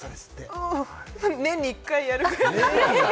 年に１回やるくらい。